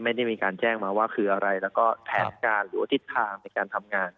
อาจจะมีความเคลื่อนไหวและมีการแถลงข้าว